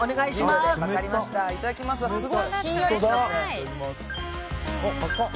すごい、ひんやりしますね。